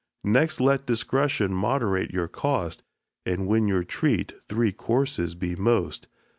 Next, let discretion moderate your cost, And when you treat, three courses be the most.